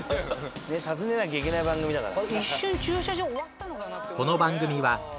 訪ねなきゃいけない番組だから。